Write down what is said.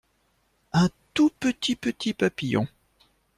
Un tout petit petit papillon.